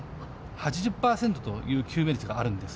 ８０％という救命率があるんです。